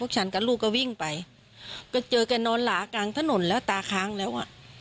พวกฉันกับลูกก็วิ่งไปคุณเจอก็ไปอยู่หลานทะนุ่นมาตราค้างแล้ว